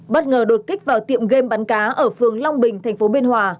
bất ngờ đột kích vào tiệm game bắn cá ở phường long bình tp biên hòa